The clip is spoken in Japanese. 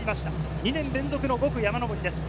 ２年連続の５区山上りです。